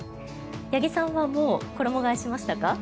八木さんはもう衣替えしましたか？